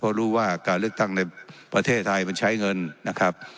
เพราะรู้ว่าการเลือกตั้งในประเทศไทยมันใช้เงินนะครับ